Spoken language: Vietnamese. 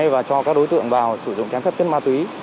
và cho các đối tượng vào sử dụng trang phép kết ma túy